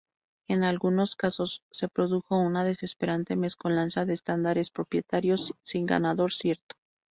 En algunos casos, se produjo una desesperante mezcolanza de estándares propietarios, sin ganador cierto.